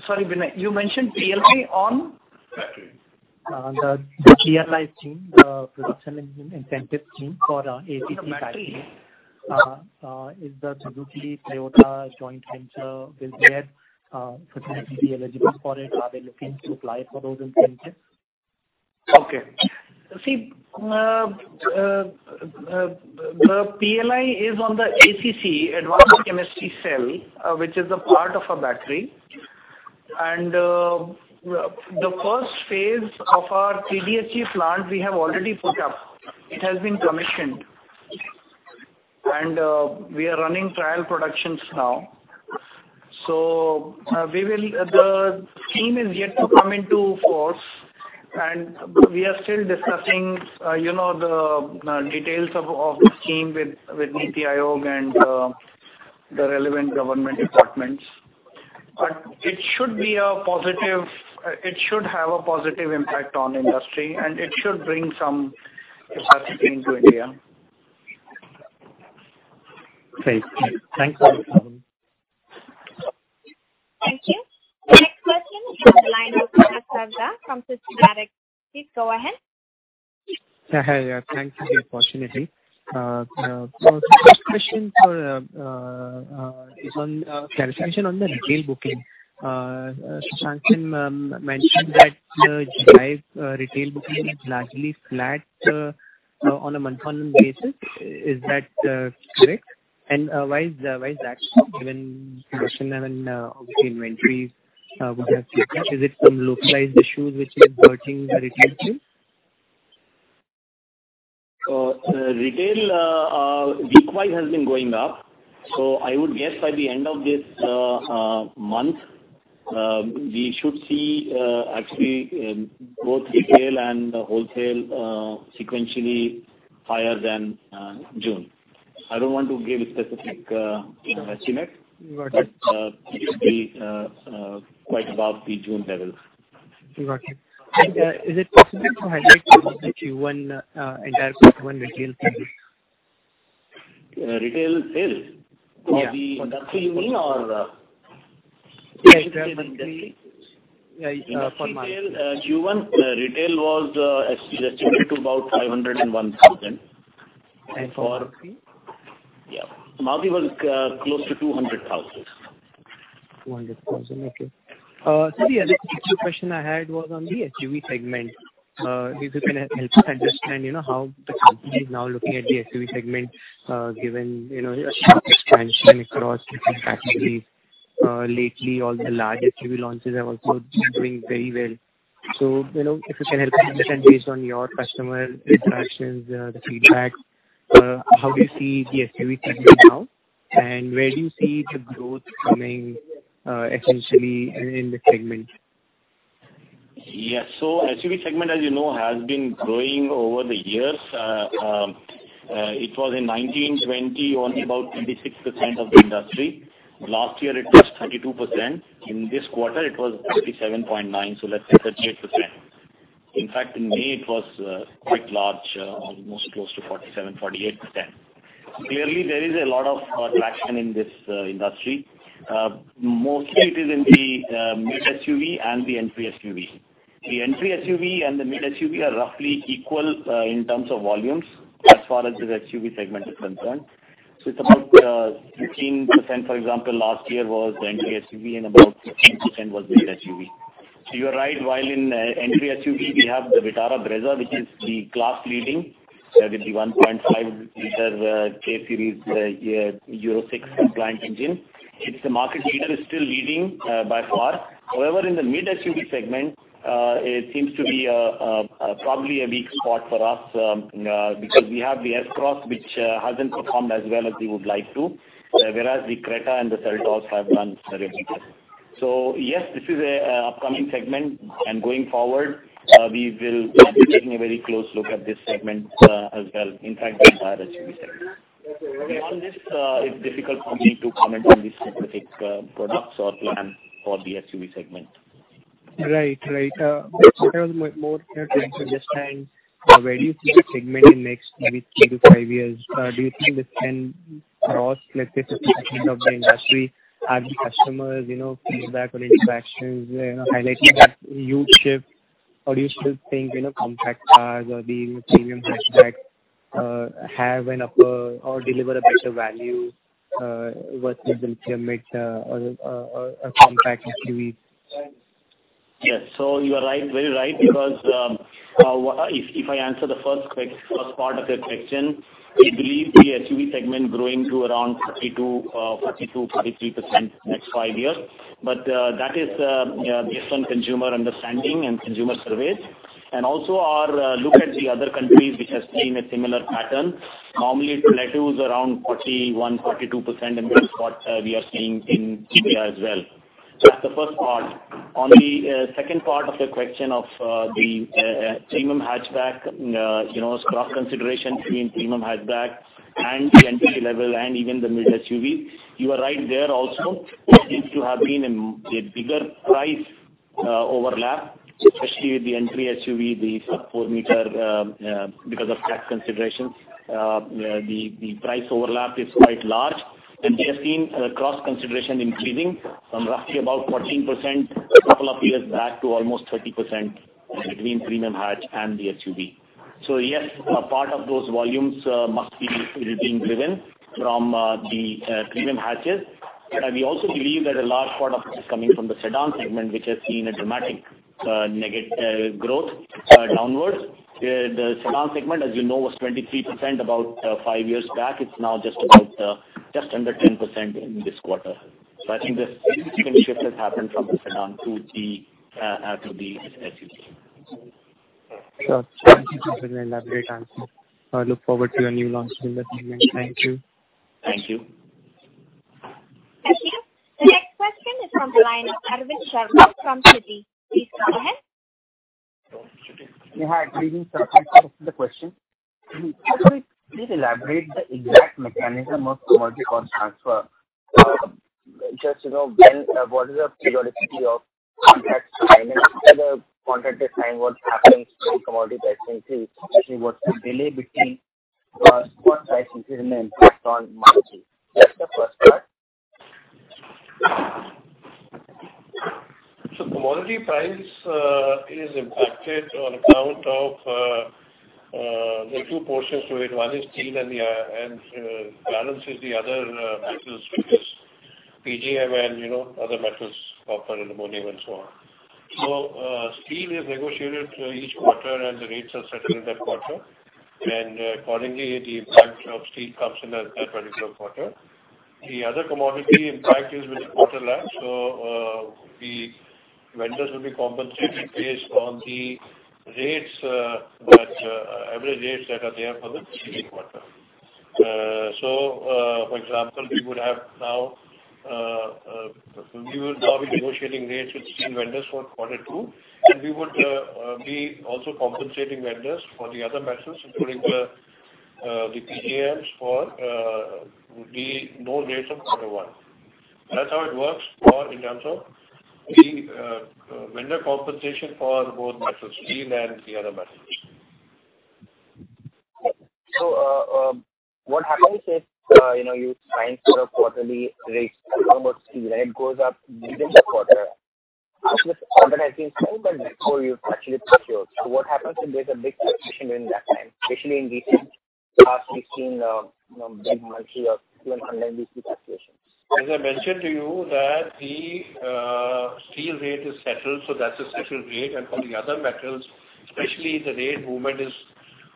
I: Sorry, Vinay. You mentioned PLI on? Battery.
H: The PLI scheme, the production incentive team for ACC
I: battery,
H: is the Suzuki Toyota joint venture? Will their facility be eligible for it? Are they looking to apply for those incentives?
B: Okay. See, the PLI is on the ACC, Advanced Chemistry Cell, which is a part of a battery. The first phase of our TDSG plant we have already put up. It has been commissioned. We are running trial productions now. The scheme is yet to come into force, and we are still discussing the details of the scheme with NITI Aayog and the relevant government departments. It should be a positive, it should have a positive impact on industry, and it should bring some capacity into India.
H: Great. Thanks for the comment.
A: Thank you. The next question is from the line of Ronak Sarda from Systematix. Please go ahead.
J: Yeah. Thank you for the opportunity. First question for clarification on the retail booking. Shashank Srivastava mentioned that the Gujarat retail booking is largely flat on a month-on-month basis. Is that correct? Why is that? Given production and obviously inventories would have taken up, is it some localized issues which is hurting the retail sales?
B: Retail week-wise has been going up. I would guess by the end of this month, we should see actually both retail and wholesale sequentially higher than June. I do not want to give a specific estimate, but it should be quite above the June level.
J: Got it. Is it possible to highlight Q1, entire Q1 retail sales?
B: Retail sales? For the product you mean or?
J: Yeah. Q1 retail?
B: Q1 retail was estimated to about 501,000.
J: For Maruti?
B: Yeah. Maruti was close to 200,000.
J: 200,000. Okay. The other question I had was on the SUV segment. If you can help us understand how the company is now looking at the SUV segment given a huge expansion across different categories lately. All the large SUV launches are also doing very well. If you can help us understand based on your customer interactions, the feedback, how do you see the SUV segment now? Where do you see the growth coming essentially in the segment?
B: Yes. SUV segment, as you know, has been growing over the years. It was in 2019-2020 only about 26% of the industry. Last year, it was 32%. In this quarter, it was 37.9%. Let's say 38%. In fact, in May, it was quite large, almost close to 47%-48%. Clearly, there is a lot of traction in this industry. Mostly, it is in the mid-SUV and the entry SUV. The entry SUV and the mid-SUV are roughly equal in terms of volumes as far as the SUV segment% is concerned. It is about 15%, for example, last year was the entry SUV, and about 15% was the mid-SUV. You are right. While in entry SUV, we have the Brezza, which is the class-leading with the 1.5-liter K-Series Euro 6 compliant engine. It is the market leader. It is still leading by far. However, in the mid-SUV segment, it seems to be probably a weak spot for us because we have the S-Cross, which hasn't performed as well as we would like to, whereas the Creta and the Seltos have done very well. Yes, this is an upcoming segment. Going forward, we will be taking a very close look at this segment as well, in fact, the entire SUV segment. On this, it's difficult for me to comment on these specific products or plan for the SUV segment.
J: Right. Right. I was more here to understand where do you see the segment in the next three to five years? Do you think this can cross, let's say, 50% of the industry? Are the customers' feedback or interactions highlighting that huge shift? Or do you still think compact cars or the premium hatchbacks have an upper or deliver a better value versus the mid or compact SUVs?
B: Yes. You are very right because if I answer the first part of your question, we believe the SUV segment is growing to around 52%-50% in the next five years. That is based on consumer understanding and consumer surveys. Also, our look at other countries which have seen a similar pattern. Normally, the plateau is around 41%-42%, and that is what we are seeing in India as well. That is the first part. On the second part of the question of the premium hatchback, cross-consideration between premium hatchback and the entry level and even the mid-SUV, you are right there also. There seems to have been a bigger price overlap, especially with the entry SUV, the sub-4-meter because of tax considerations. The price overlap is quite large. We have seen cross-consideration increasing from roughly about 14% a couple of years back to almost 30% between premium hatch and the SUV. Yes, a part of those volumes must be being driven from the premium hatches. We also believe that a large part of this is coming from the sedan segment, which has seen a dramatic growth downwards. The sedan segment, as you know, was 23% about five years back. It is now just under 10% in this quarter. I think this significant shift has happened from the sedan to the SUV.
J: Sure. Thank you for the elaborate answer. I look forward to your new launch in the segment. Thank you.
B: Thank you.
A: Thank you. The next question is from the line of Arvind Sharma from Citi. Please go ahead.
K: Yeah. Good evening. Sorry for the question. Would you please elaborate the exact mechanism of commodity cost transfer? Just to know what is the periodicity of contract signing to the contract to sign what happens to the commodity price increase, especially what's the delay between cost price increase and the impact on Maruti? That's the first part.
B: Commodity price is impacted on account of the two portions to it. One is steel, and the balance is the other metals, which is PGM and other metals of platinum and so on. Steel is negotiated each quarter, and the rates are set in that quarter. Accordingly, the impact of steel comes in at that particular quarter. The other commodity impact is with the quarter last. The vendors will be compensated based on the average rates that are there for the steel quarter. For example, we would have now, we will now be negotiating rates with steel vendors for quarter two, and we would be also compensating vendors for the other metals, including the PGMs for the known rates of quarter one. That's how it works in terms of the vendor compensation for both metals, steel and the other metals.
K: What happens if you sign for a quarterly rate for steel, and it goes up within the quarter? How much has been spent before you actually procure? What happens if there's a big taxation during that time, especially in recent past we've seen a big monthly or even underweekly taxation?
B: As I mentioned to you, the steel rate is settled, so that's a settled rate. For the other metals, especially the rate movement is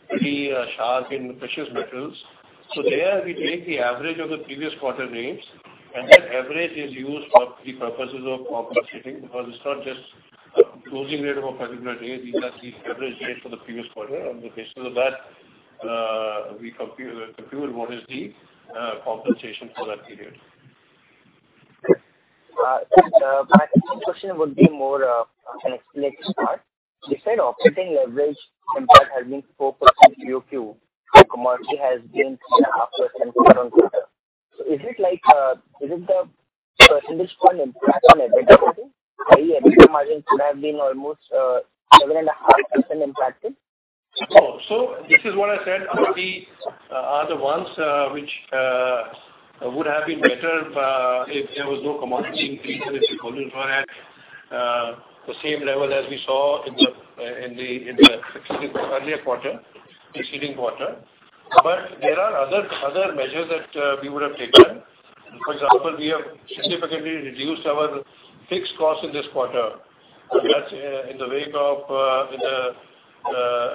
B: pretty sharp in precious metals. There, we take the average of the previous quarter rates, and that average is used for the purposes of compensating because it's not just a closing rate of a particular rate. These are the average rates for the previous quarter. On the basis of that, we compute what is the compensation for that period.
K: My question would be more of an explanatory part. You said operating leverage impact has been 4% Q2. Commodity has been 3.5% quarter-on-quarter. Is it the percentage point impact on everything? Maybe everything margin could have been almost 7.5% impacted?
B: Oh, so this is what I said. The other ones which would have been better if there was no commodity increase and if the volumes were at the same level as we saw in the earlier quarter, preceding quarter. There are other measures that we would have taken. For example, we have significantly reduced our fixed costs in this quarter. That's in the wake of,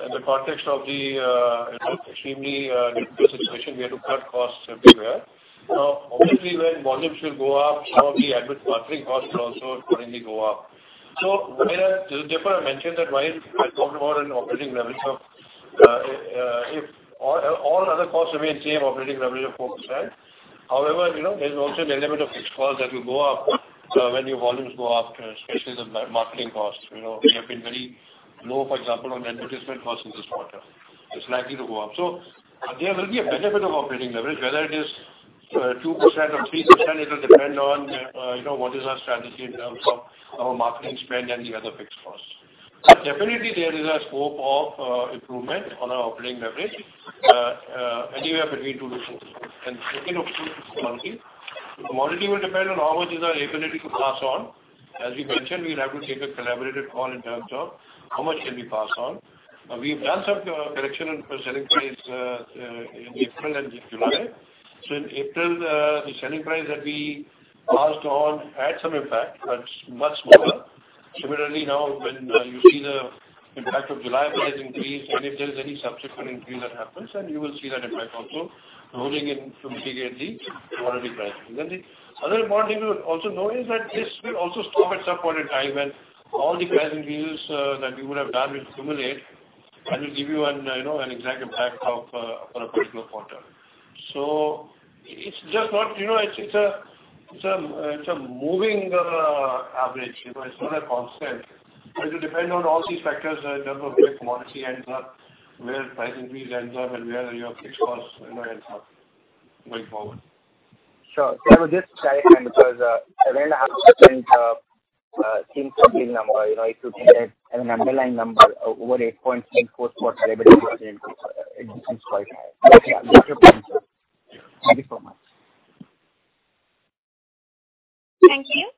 B: in the context of the extremely difficult situation, we had to cut costs everywhere. Now, obviously, when volumes will go up, some of the advert marketing costs will also accordingly go up. Therefore, I mentioned that while I talked about an operating leverage of if all other costs remain the same, operating leverage of 4%. However, there's also an element of fixed costs that will go up when your volumes go up, especially the marketing costs. We have been very low, for example, on advertisement costs in this quarter. It's likely to go up. There will be a benefit of operating leverage, whether it is 2% or 3%. It will depend on what is our strategy in terms of our marketing spend and the other fixed costs. Definitely, there is a scope of improvement on our operating leverage anywhere between 2%-4%. The second option is commodity. Commodity will depend on how much is our ability to pass on. As you mentioned, we'll have to take a collaborative call in terms of how much can we pass on. We've done some correction in selling price in April and July. In April, the selling price that we passed on had some impact, but much smaller. Similarly, now when you see the impact of July price increase, and if there is any subsequent increase that happens, you will see that impact also rolling in to mitigate the commodity pricing. The other important thing to also know is that this will also stop at some point in time when all the price increases that we would have done will accumulate and will give you an exact impact for a particular quarter. It is just not, it is a moving average. It is not a constant. It will depend on all these factors in terms of where commodity ends up, where price increase ends up, and where your fixed costs end up going forward.
K: Sure. I would just clarify because around percent seems something number. If you think that an underlying number over 8.34%, it seems quite high. Yeah, that's your point. Thank you so much.
A: Thank you.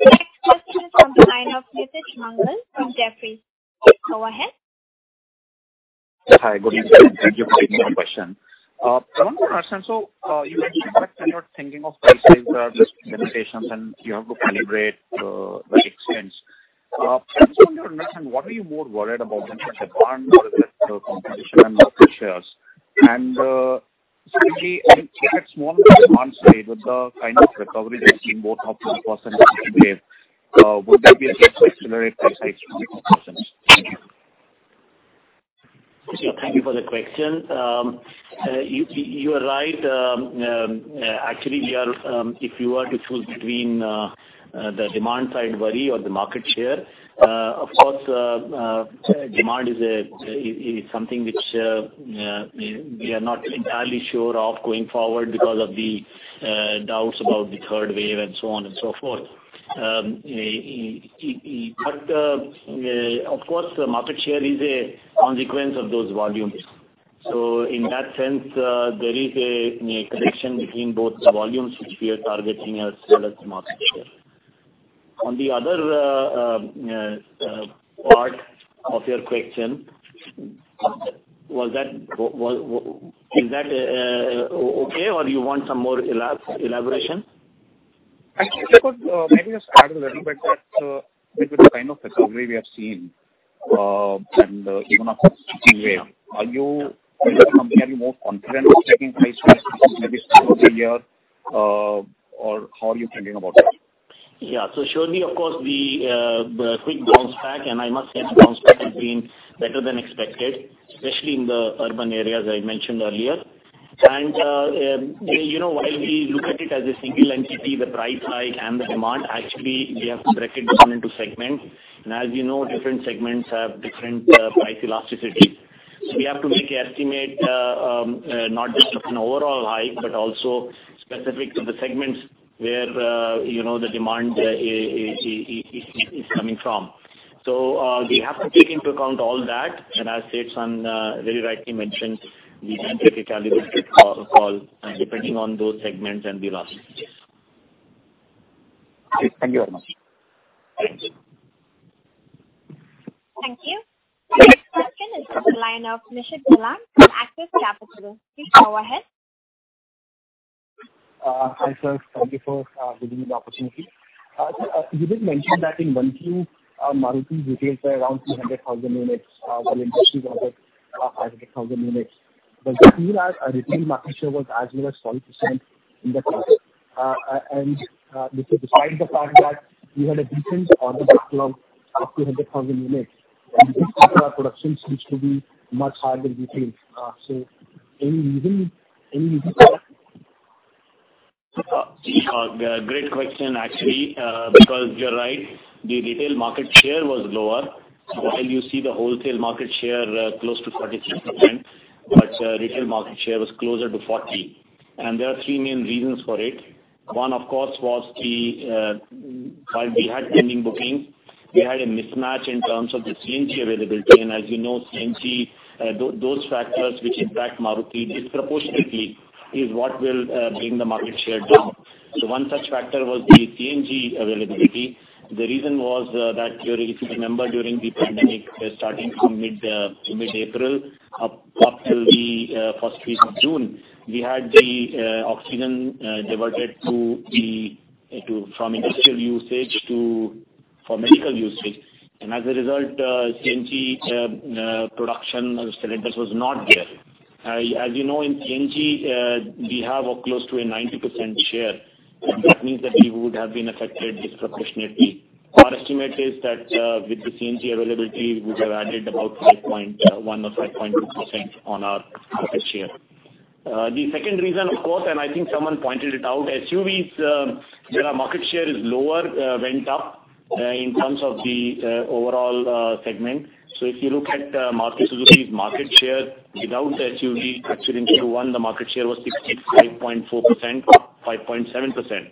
A: Next question is from the line of Nitij Mangal from Jefferies. Go ahead.
F: Hi. Good evening. Thank you for taking my question. One more question. You mentioned that you are thinking of prices, limitations, and you have to calibrate the expense. I just want to understand, what are you more worried about, the demand or is it the competition and market shares? Specifically, if at small and mid-small state, with the kind of recovery that's been both upwards and downwards, would there be a need to accelerate price increase? Thank you.
B: Thank you for the question. You are right. Actually, if you were to choose between the demand-side worry or the market share, of course, demand is something which we are not entirely sure of going forward because of the doubts about the third wave and so on and so forth. Of course, market share is a consequence of those volumes. In that sense, there is a connection between both the volumes which we are targeting as well as the market share. On the other part of your question, is that okay, or do you want some more elaboration?
F: Actually, maybe just add a little bit that with the kind of recovery we have seen and even a fixed wave, are you comparing more confidence-checking price rates maybe two or three years, or how are you thinking about that?
B: Yeah. Surely, of course, the quick bounce back, and I must say the bounce back has been better than expected, especially in the urban areas I mentioned earlier. While we look at it as a single entity, the price hike and the demand, actually, we have to break it down into segments. As you know, different segments have different price elasticity. We have to make an estimate not just of an overall hike, but also specific to the segments where the demand is coming from. We have to take into account all that. As Seth very rightly mentioned, we can take a calibrated call depending on those segments and the elasticity.
F: Thank you very much.
A: Thank you. The next question is from the line of Nishit Jalan from Axis Capital. Please go ahead.
L: Hi Seth. Thank you for giving me the opportunity. You did mention that in 1Q, Maruti's retailed for around 300,000 units while industry was at 500,000 units. The steel market share was as low as 40% in the past. Despite the fact that you had a decent order backlog of 200,000 units, this particular production seems to be much higher than retail. Any reason for that?
B: Great question, actually. Because you're right, the retail market share was lower, while you see the wholesale market share close to 46%, but retail market share was closer to 40%. There are three main reasons for it. One, of course, was while we had pending bookings, we had a mismatch in terms of the CNG availability. As you know, CNG, those factors which impact Maruti disproportionately is what will bring the market share down. One such factor was the CNG availability. The reason was that if you remember, during the pandemic, starting from mid-April up till the first week of June, we had the oxygen diverted from industrial usage for medical usage. As a result, CNG production was not there. As you know, in CNG, we have close to a 90% share. That means that we would have been affected disproportionately. Our estimate is that with the CNG availability, we would have added about 5.1% or 5.2% on our market share. The second reason, of course, and I think someone pointed it out, SUVs, their market share is lower, went up in terms of the overall segment. If you look at Suzuki's market share without the SUV, actually in Q1, the market share was 65.4%, up 5.7%.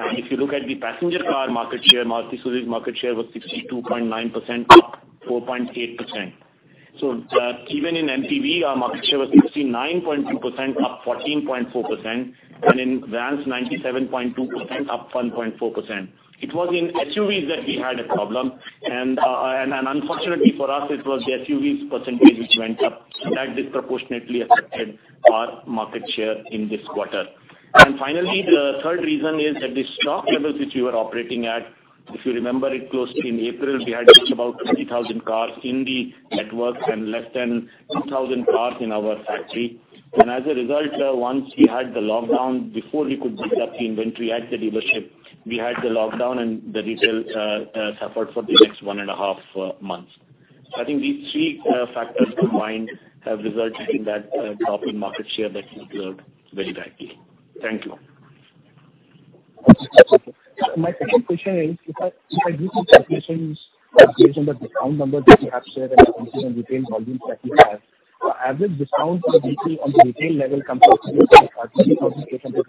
B: If you look at the passenger car market share, Maruti Suzuki's market share was 62.9%, up 4.8%. Even in MPV, our market share was 69.2%, up 14.4%, and in Vans, 97.2%, up 1.4%. It was in SUVs that we had a problem. Unfortunately for us, it was the SUVs' percentage which went up that disproportionately affected our market share in this quarter. Finally, the third reason is that the stock levels which we were operating at, if you remember it closely in April, we had just about 20,000 cars in the network and less than 2,000 cars in our factory. As a result, once we had the lockdown, before we could build up the inventory at the dealership, we had the lockdown, and the retail suffered for the next one and a half months. I think these three factors combined have resulted in that drop in market share that we observed very directly. Thank you.
L: My second question is, if I do some calculations based on the discount numbers that you have shared and the retail volumes that you have, the average discount for the retail on the retail level comes up to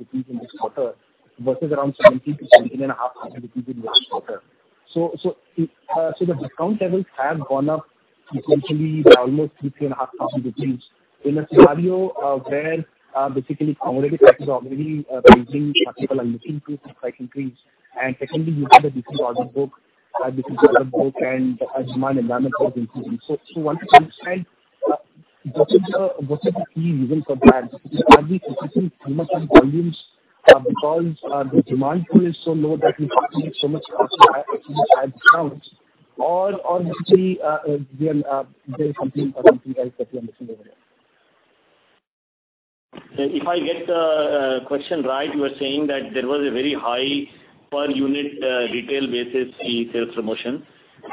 L: [inaudible] in this quarter versus around [inaudible] in last quarter. The discount levels have gone up substantially by almost 3,500 rupees in a scenario where basically commodity factors are already raising what people are looking to quite increase. Secondly, you have the decreased order book, decreased order book, and demand environment is increasing. Once again, what is the key reason for that? Are we increasing too much in volumes because the demand pool is so low that we have to make so much cost to actually add discounts, or is it really something else that you are missing over there? If I get the question right, you were saying that there was a very high per-unit retail basis fee sales promotion.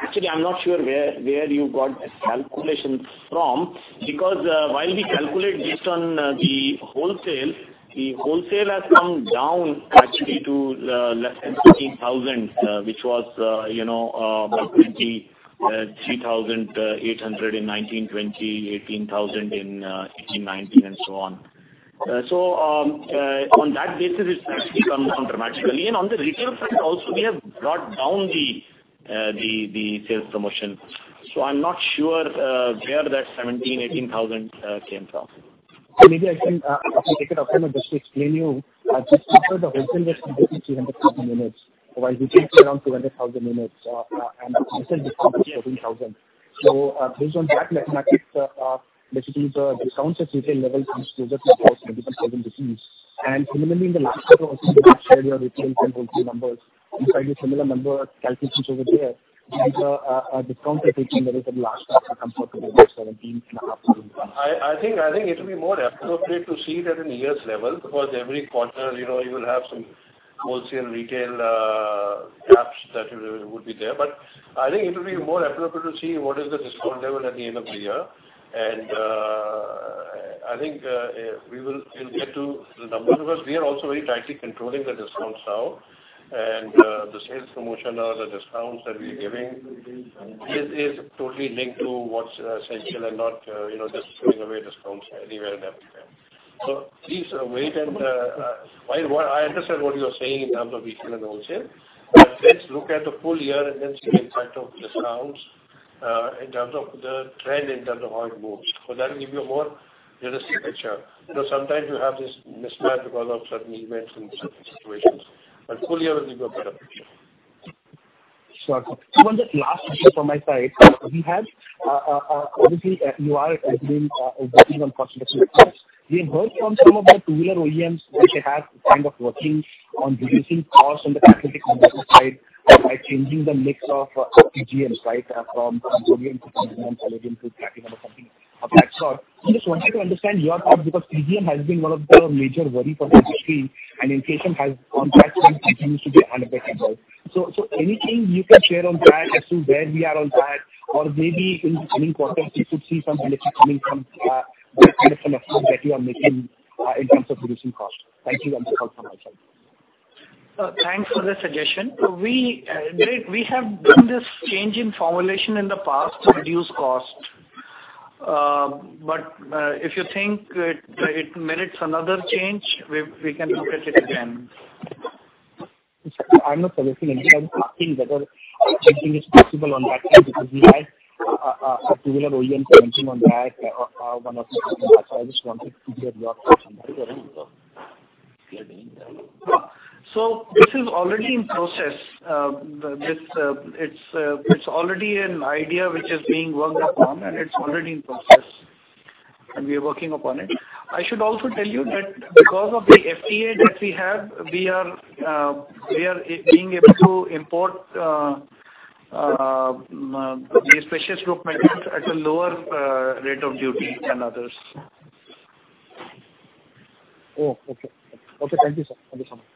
L: Actually, I'm not sure where you got this calculation from because while we calculate based on the wholesale, the wholesale has come down actually to less than [14,000], which was [23,800] in 2019-2020, 18,000 in 2019, and so on. On that basis, it's actually come down dramatically. On the retail front also, we have brought down the sales promotion. I'm not sure where that 17,000-18,000 came from. Maybe I can take it up from just to explain to you. Just consider the wholesale was 300,000 units, while retail came down to 200,000 units, and the wholesale discount was 14,000. Based on that mathematics, basically the discount at retail level comes closer to about 20,000. Similarly, in the last quarter, also you have shared your retail and wholesale numbers. Inside the similar number calculations over there, the discount at retail level for the last quarter comes down to about INR 17,500.
B: I think it will be more appropriate to see that in years level because every quarter you will have some wholesale retail gaps that would be there. I think it will be more appropriate to see what is the discount level at the end of the year. I think we'll get to the numbers because we are also very tightly controlling the discounts now. The sales promotion or the discounts that we are giving is totally linked to what's essential and not just throwing away discounts anywhere in a free-for-all. Please wait. While I understand what you are saying in terms of retail and wholesale, let's look at the full year and then see the impact of discounts in terms of the trend, in terms of how it moves. That will give you a more realistic picture. Because sometimes you have this mismatch because of certain events and certain situations. Full year will give you a better picture.
L: Sure. One just last question from my side. We had, obviously, you are working on cost reduction plans. We have heard from some of the two-wheeler OEMs that they have kind of working on reducing costs on the catalytic converter side by changing the mix of PGMs, right, from rhodium to a minimum palladium to platinum or something of that sort. We just wanted to understand your thoughts because PGM has been one of the major worries for the industry, and inflation has gone back and continues to be unabated. Anything you can share on that as to where we are on that, or maybe in the coming quarters, we could see some benefit coming from that kind of move that you are making in terms of reducing cost. Thank you and good call from my side.
D: Thanks for the suggestion. We have done this change in formulation in the past to reduce cost. If you think it merits another change, we can look at it again.
L: I'm not soliciting. I'm asking whether anything is possible on that end because we had a two-wheeler OEM commenting on that one or two. So I just wanted to hear your thoughts on that.
D: This is already in process. It's already an idea which is being worked upon, and it's already in process. We are working upon it. I should also tell you that because of the FTA that we have, we are being able to import the precious group metals at a lower rate of duty than others.
L: Oh, okay. Okay. Thank you, sir. Thank you so much.